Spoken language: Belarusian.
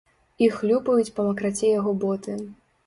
І хлюпаюць па макраце яго боты.